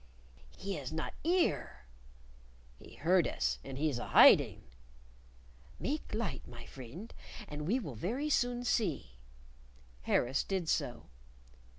"He is not 'ere!" "He heard us, and he's a hiding." "Make light, my friend, and we shall very soon see." Harris did so.